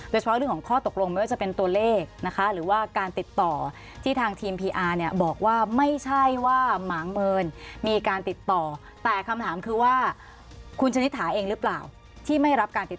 โดยเฉพาะเรื่องของข้อตกลงไม่ว่าจะเป็นตัวเลขนะคะ